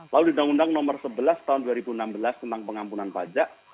lalu di undang undang nomor sebelas tahun dua ribu enam belas tentang pengampunan pajak